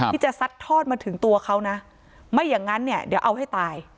ซัดทอดมาถึงตัวเขานะไม่อย่างนั้นเนี่ยเดี๋ยวเอาให้ตาย